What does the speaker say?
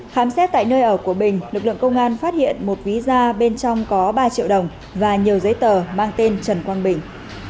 khám xét tại nơi ở của bình lực lượng công an phát hiện một ví da bên trong có ba triệu đồng và nhiều giấy tờ mang tên trần quang bình